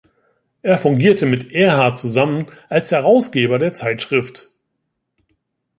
Er fungierte mit Ehrhardt zusammen als Herausgeber der Zeitschrift.